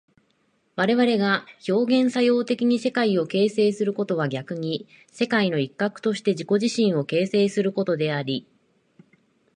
我々が表現作用的に世界を形成することは逆に世界の一角として自己自身を形成することであり、